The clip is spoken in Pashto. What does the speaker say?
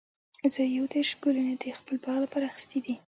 زه یو دیرش ګلونه د خپل باغ لپاره اخیستي دي.